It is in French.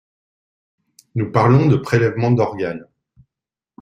Nous parlons de prélèvements d’organes.